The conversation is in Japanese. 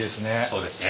そうですね。